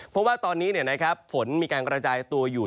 เพราะว่าตอนนี้ฝนมีการกระจายตัวอยู่